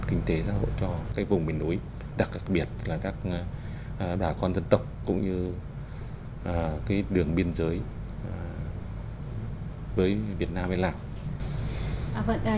thành tế giáo hội cho cái vùng biển núi đặc biệt là các bà con dân tộc cũng như cái đường biên giới với việt nam hay là